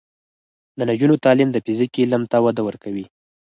د نجونو تعلیم د فزیک علم ته وده ورکوي.